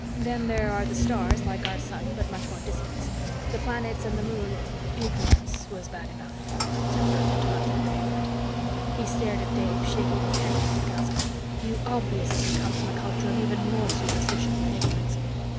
Then there are the stars, like our sun, but much more distant. The planets and the moon " "Ignorance was bad enough," Ser Perth interrupted in amazement. He stared at Dave, shaking his head in disgust. "You obviously come from a culture of even more superstition than ignorance.